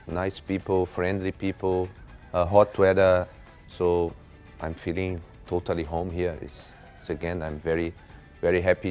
คนสวยงามคนสวยงามวัฒนาฉันคิดว่าฉันอยู่ในเมืองที่สุดท้าย